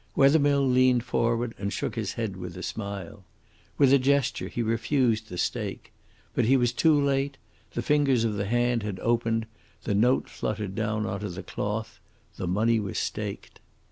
Wethermill leaned forward and shook his head with a smile. With a gesture he refused the stake. But he was too late. The fingers of the hand had opened, the note fluttered down on to the cloth, the money was staked.